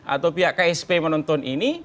atau pihak ksp menonton ini